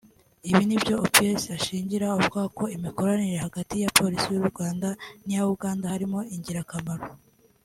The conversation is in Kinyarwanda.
Ibi nibyo Opis ashingiraho avuga ko imikoranire hagati ya Polisi y’u Rwanda n’iya Uganda ari ingirakamaro